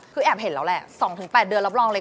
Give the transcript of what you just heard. คือแอบเห็นแล้วแหละ๒๘เดือนรับรองเลย